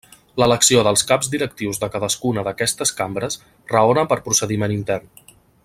L'elecció dels caps directius de cadascuna d'aquestes cambres raona per procediment intern.